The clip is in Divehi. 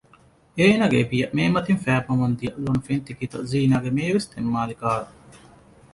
އޭނަގެ އެބިޔަ މޭމަތިން ފައިބަމުން ދިޔަ ލޮނު ފެންތިކިތައް ޒީނާގެ މޭވެސް ތެއްމާލިކަހަލު